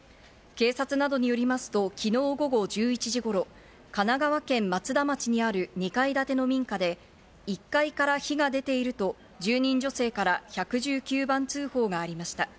警察などによりますと昨日午後１１時頃、神奈川県松田町にある２階建ての民家で、１階から火が出ていると住人女性から１１９番通報がありました。